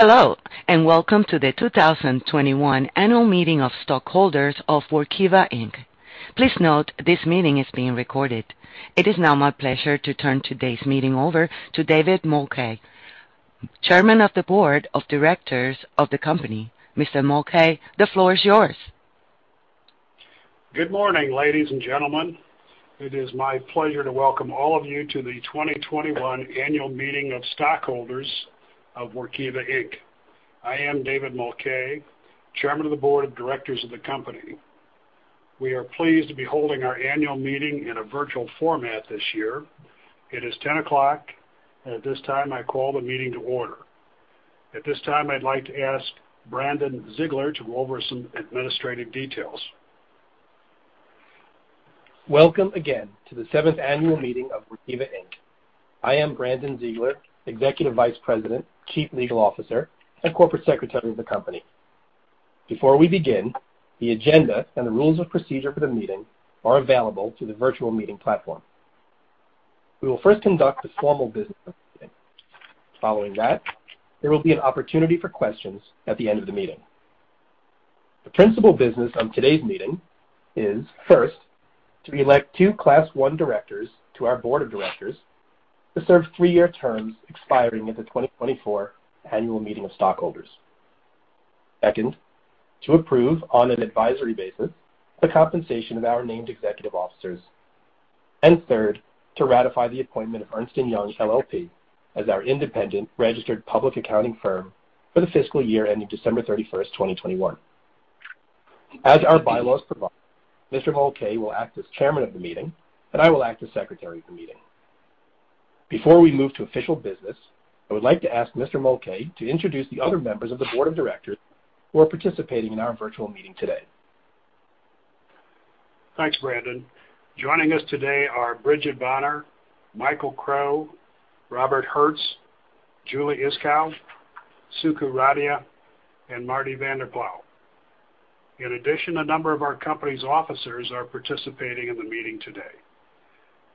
Hello, welcome to the 2021 Annual Meeting of Stockholders of Workiva, Inc. Please note this meeting is being recorded. It is now my pleasure to turn today's meeting over to David S. Mulcahy, Chairman of the Board of Directors of the company. Mr. Mulcahy, the floor is yours. Good morning, ladies and gentlemen. It is my pleasure to welcome all of you to the 2021 Annual Meeting of Stockholders of Workiva, Inc. I am David Mulcahy, Chairman of the Board of Directors of the company. We are pleased to be holding our annual meeting in a virtual format this year. It is 10:00 A.M. At this time, I call the meeting to order. At this time, I'd like to ask Brandon Ziegler to go over some administrative details. Welcome again to the seventh Annual Meeting of Workiva, Inc. I am Brandon Ziegler, Executive Vice President, Chief Legal Officer, and Corporate Secretary of the company. Before we begin, the agenda and the rules of procedure for the meeting are available through the virtual meeting platform. We will first conduct the formal business of the meeting. Following that, there will be an opportunity for questions at the end of the meeting. The principal business of today's meeting is, first, to elect two Class I directors to our Board of Directors to serve three-year terms expiring at the 2024 Annual Meeting of Stockholders. Second, to approve on an advisory basis the compensation of our named executive officers. Third, to ratify the appointment of Ernst & Young LLP as our independent registered public accounting firm for the fiscal year ending December 31st, 2021. As our bylaws provide, Mr. Mulcahy will act as chairman of the meeting, and I will act as secretary of the meeting. Before we move to official business, I would like to ask Mr. Mulcahy to introduce the other members of the Board of Directors who are participating in our virtual meeting today. Thanks, Brandon. Joining us today are Brigid Bonner, Michael Crow, Robert Herz, Julie Iskow, Suku Radia, and Martin Vanderploeg. In addition, a number of our company's officers are participating in the meeting today.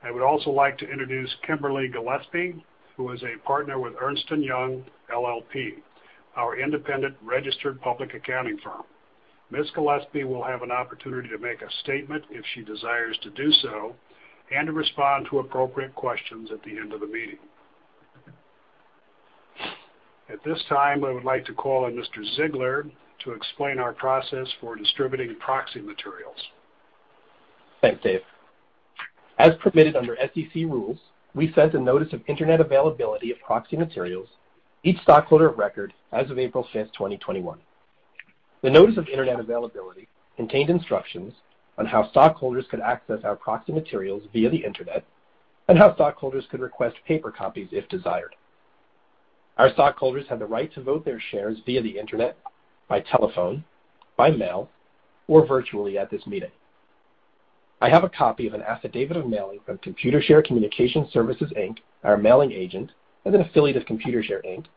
I would also like to introduce Kimberly Gillespie, who is a Partner with Ernst & Young LLP, our independent registered public accounting firm. Ms. Gillespie will have an opportunity to make a statement if she desires to do so and to respond to appropriate questions at the end of the meeting. At this time, I would like to call on Mr. Ziegler to explain our process for distributing proxy materials. Thanks, Dave. As permitted under SEC rules, we sent a Notice of Internet Availability of Proxy Materials to each stockholder of record as of April 5th, 2021. The Notice of Internet Availability contained instructions on how stockholders could access our proxy materials via the Internet and how stockholders could request paper copies if desired. Our stockholders have the right to vote their shares via the Internet, by telephone, by mail, or virtually at this meeting. I have a copy of an affidavit of mailing from Computershare Communication Services, Inc, our mailing agent and an affiliate of Computershare, Inc,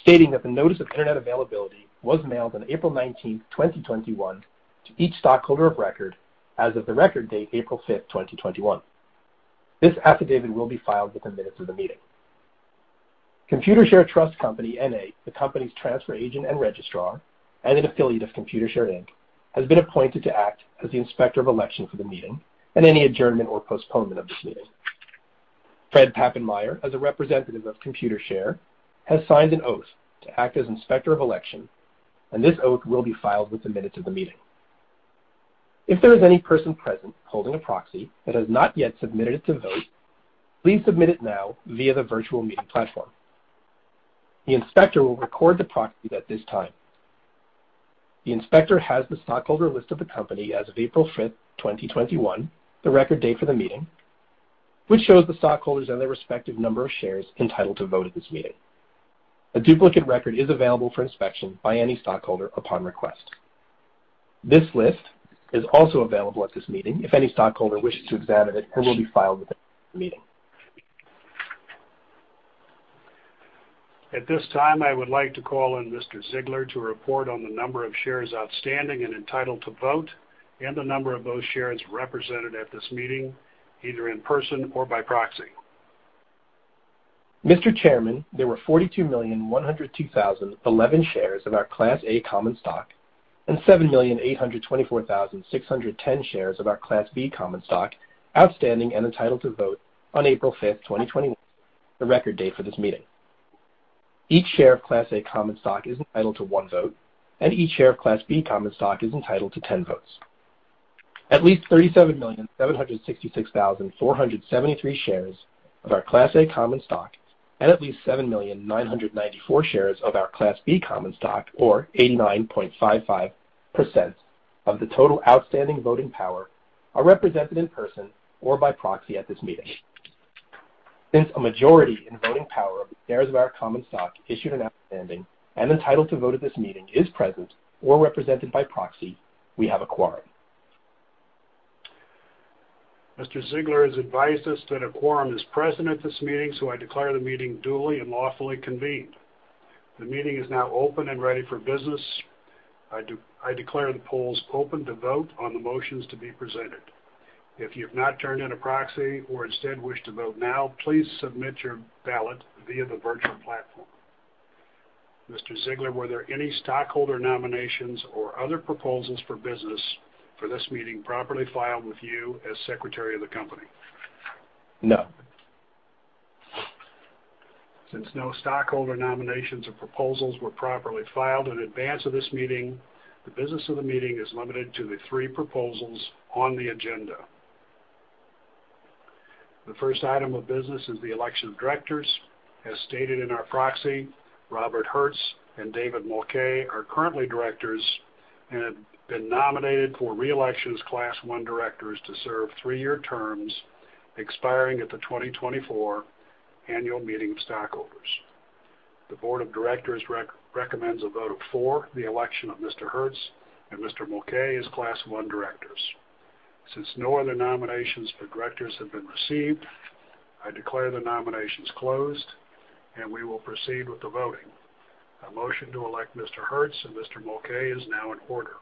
stating that the Notice of Internet Availability was mailed on April 19th, 2021, to each stockholder of record as of the record date, April 5th, 2021. This affidavit will be filed with the minutes of the meeting. Computershare Trust Company, NA, the company's transfer agent and registrar, and an affiliate of Computershare, Inc, has been appointed to act as the Inspector of Election for the meeting and any adjournment or postponement of this meeting. Fred Papenmeier, as a representative of Computershare, has signed an oath to act as Inspector of Election, and this oath will be filed with the minutes of the meeting. If there is any person present holding a proxy that has not yet submitted it to vote, please submit it now via the virtual meeting platform. The inspector will record the proxies at this time. The inspector has the stockholder list of the company as of April 5th, 2021, the record date for the meeting, which shows the stockholders and their respective number of shares entitled to vote at this meeting. A duplicate record is available for inspection by any stockholder upon request. This list is also available at this meeting if any stockholder wishes to examine it and will be filed with the minutes of the meeting. At this time, I would like to call on Mr. Ziegler to report on the number of shares outstanding and entitled to vote and the number of those shares represented at this meeting, either in person or by proxy. Mr. Chairman, there were 42,102,011 shares of our Class A common stock and 7,824,610 shares of our Class B common stock outstanding and entitled to vote on April 5th, 2021, the record date for this meeting. Each share of Class A common stock is entitled to one vote, and each share of Class B common stock is entitled to 10 votes. At least 37,766,473 shares of our Class A common stock and at least 7,8824,610 shares of our Class B common stock, or 89.55% of the total outstanding voting power, are represented in person or by proxy at this meeting. Since a majority in voting power of the shares of our common stock issued and outstanding and entitled to vote at this meeting is present or represented by proxy, we have a quorum. Mr. Ziegler has advised us that a quorum is present at this meeting. I declare the meeting duly and lawfully convened. The meeting is now open and ready for business. I declare the polls open to vote on the motions to be presented. If you've not turned in a proxy or instead wish to vote now, please submit your ballot via the virtual platform. Mr. Ziegler, were there any stockholder nominations or other proposals for business for this meeting properly filed with you as Secretary of the company? No. Since no stockholder nominations or proposals were properly filed in advance of this meeting, the business of the meeting is limited to the three proposals on the agenda. The first item of business is the election of directors. As stated in our proxy, Robert Herz and David Mulcahy are currently Directors and have been nominated for re-election as Class I Directors to serve three-year terms expiring at the 2024 Annual Meeting of Stockholders. The Board of Directors recommends a vote for the election of Mr. Herz and Mr. Mulcahy as Class I Directors. Since no other nominations for directors have been received, I declare the nominations closed, and we will proceed with the voting. A motion to elect Mr. Herz and Mr. Mulcahy is now in order.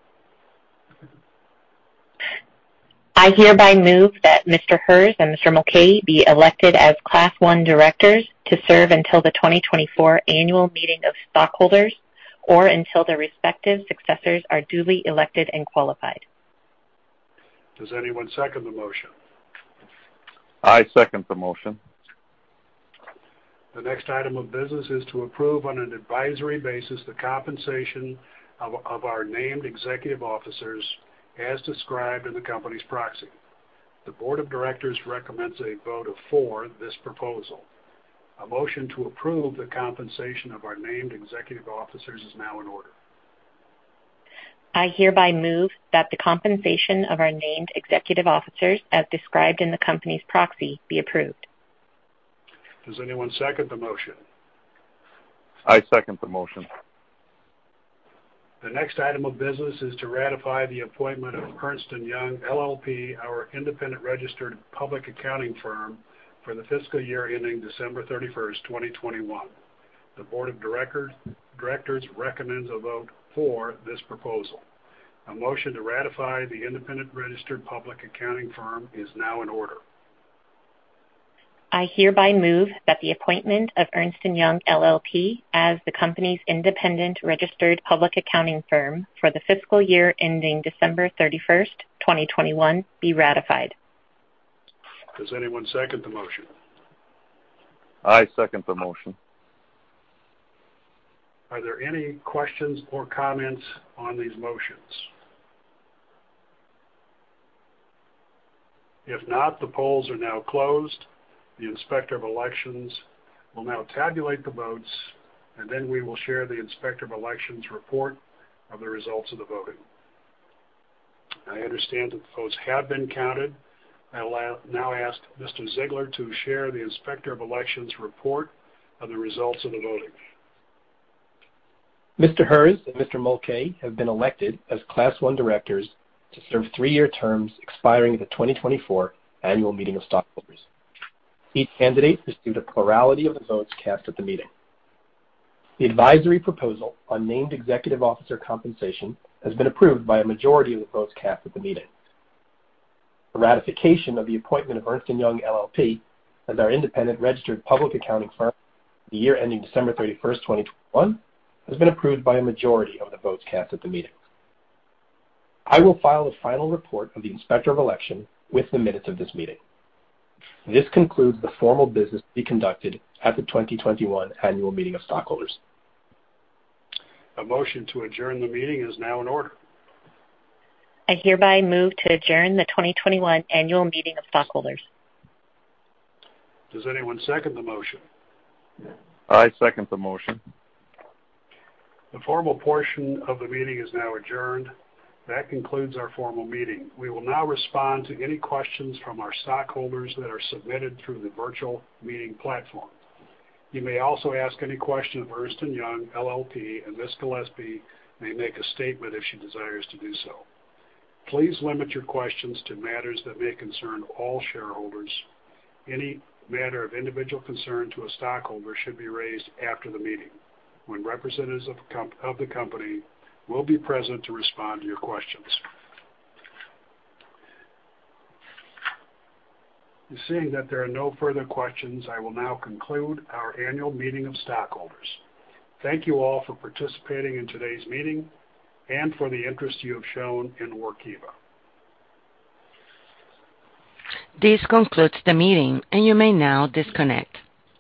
I hereby move that Mr. Herz and Mr. Mulcahy be elected as Class I Directors to serve until the 2024 Annual Meeting of Stockholders or until their respective successors are duly elected and qualified. Does anyone second the motion? I second the motion. The next item of business is to approve on an advisory basis the compensation of our named executive officers as described in the company's proxy. The Board of Directors recommends a vote for this proposal. A motion to approve the compensation of our named executive officers is now in order. I hereby move that the compensation of our named executive officers, as described in the company's proxy, be approved. Does anyone second the motion? I second the motion. The next item of business is to ratify the appointment of Ernst & Young LLP, our independent registered public accounting firm for the fiscal year ending December 31st, 2021. The Board of Directors recommends a vote for this proposal. A motion to ratify the independent registered public accounting firm is now in order. I hereby move that the appointment of Ernst & Young LLP as the company's independent registered public accounting firm for the fiscal year ending December 31st, 2021, be ratified. Does anyone second the motion? I second the motion. Are there any questions or comments on these motions? If not, the polls are now closed. The Inspector of Elections will now tabulate the votes, and then we will share the Inspector of Elections report of the results of the voting. I understand that the votes have been counted. I now ask Mr. Ziegler to share the Inspector of Elections report of the results of the voting. Mr. Herz and Mr. Mulcahy have been elected as Class I Directors to serve three-year terms expiring at the 2024 Annual Meeting of Stockholders. Each candidate received a plurality of the votes cast at the meeting. The advisory proposal on named executive officer compensation has been approved by a majority of the votes cast at the meeting. The ratification of the appointment of Ernst & Young LLP as our independent registered public accounting firm for the year ending December 31st, 2021, has been approved by a majority of the votes cast at the meeting. I will file a final report of the Inspector of Election with the minutes of this meeting. This concludes the formal business to be conducted at the 2021 Annual Meeting of Stockholders. A motion to adjourn the meeting is now in order. I hereby move to adjourn the 2021 Annual Meeting of Stockholders. Does anyone second the motion? I second the motion. The formal portion of the meeting is now adjourned. That concludes our formal meeting. We will now respond to any questions from our stockholders that are submitted through the virtual meeting platform. You may also ask any question of Ernst & Young LLP, and Ms. Gillespie may make a statement if she desires to do so. Please limit your questions to matters that may concern all shareholders. Any matter of individual concern to a stockholder should be raised after the meeting, when representatives of the company will be present to respond to your questions. Seeing that there are no further questions, I will now conclude our annual meeting of stockholders. Thank you all for participating in today's meeting and for the interest you have shown in Workiva. This concludes the meeting, and you may now disconnect.